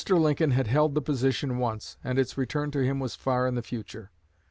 Lincoln had held the position once, and its return to him was far in the future.